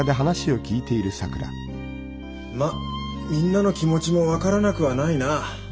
まっみんなの気持ちも分からなくはないな。